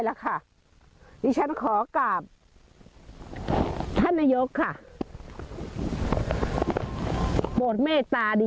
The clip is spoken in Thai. แล้วค่ะดิฉันขอกราบท่านนายกค่ะโปรดเมตตาดี